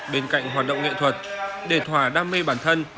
bên cạnh hoạt động nghệ thuật đề thỏa đam mê bản thân